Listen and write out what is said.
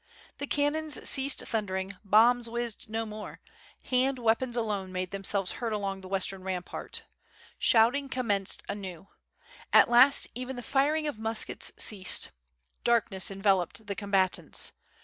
The can nons ceased thundering, bombs whizzed no more, hand wea pons alone made themselves heard along the western ram part. Shouting commenced anew. At last even the firing of muskets ceased. Darkness enveloped the combatants.